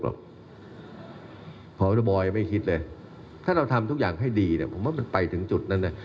เพราะป็อดบอร์ยังไม่คิด